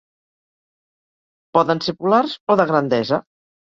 Poden ser polars o de grandesa.